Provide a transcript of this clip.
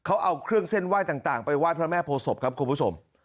เขาเอาเครื่องเส้นไหว้ต่างไปไหว้พระแม่โพศพครับคุณผู้ชม